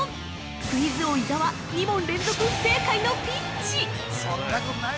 クイズ王・伊沢、２問連続不正解のピンチ！